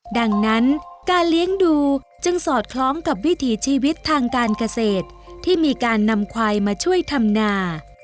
ดังนั้นการเลี้ยงดูจึงสอดคล้องกับวิถีชีวิตทางการเกษตรที่มีการนำควายมาช่วยทำนา